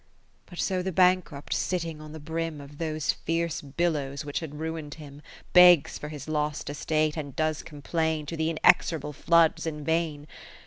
But so the bankrupt sitting on the brim Of those fierce billows which had ruin'd him. Begs for his lost estate, and does complain To the inexorable floods in vain.